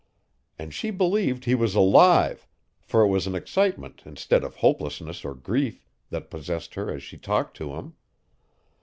And she believed he was alive, for it was an excitement instead of hopelessness or grief that possessed her as she talked to him.